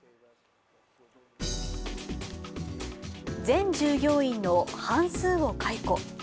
全従業員の半数を解雇。